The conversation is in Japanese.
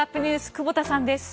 久保田さんです。